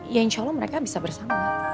ya insya allah mereka bisa bersama